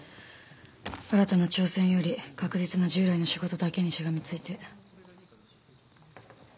新たな挑戦より確実な従来の仕事だけにしがみついて。